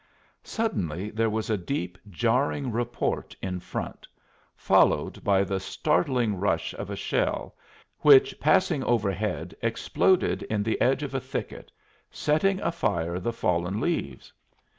Suddenly there was a deep, jarring report in front, followed by the startling rush of a shell, which passing overhead exploded in the edge of a thicket, setting afire the fallen leaves.